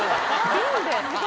瓶で。